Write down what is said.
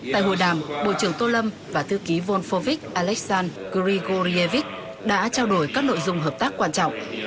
tại hội đàm bộ trưởng tô lâm và thư ký volfovic alexan grigorievic đã trao đổi các nội dung hợp tác quan trọng